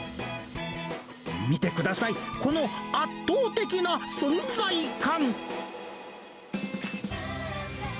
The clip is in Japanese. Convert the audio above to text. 見てください、この圧倒的な存在感。